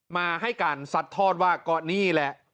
มาให้การซัดทอดว่าก็นี่แหละ